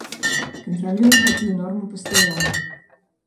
Кантралюем гэтую норму пастаянна.